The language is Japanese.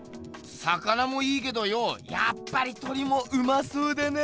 魚もいいけどよやっぱり鳥もうまそうだな。